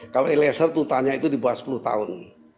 kalau aliezar ditanya itu di bawah sepuluh tahun